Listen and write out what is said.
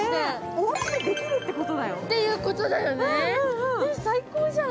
おうちでできるってことだよっていうことだよね最高じゃん！